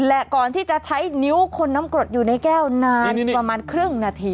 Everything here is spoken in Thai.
และก่อนที่จะใช้นิ้วคนน้ำกรดอยู่ในแก้วนานประมาณครึ่งนาที